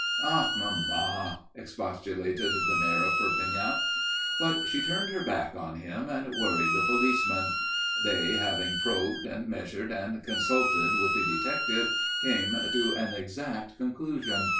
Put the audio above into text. "Ah, Maman!" expostulated the Mayor of Perpignan. But she turned her back on him and worried the policemen. They, having probed, and measured, and consulted with the detective, came to an exact conclusion.